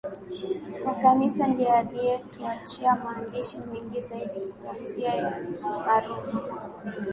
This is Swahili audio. wa Kanisa ndiye aliyetuachia maandishi mengi zaidi kuanzia yale maarufu